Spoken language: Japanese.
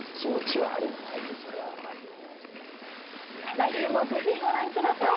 来週もぜひご覧ください。